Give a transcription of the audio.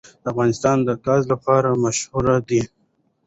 افغانستان د ګاز لپاره مشهور دی.